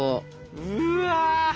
うわ！